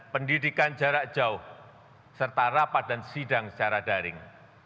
pendidikan jarak jauh serta rapat dan sidang secara daring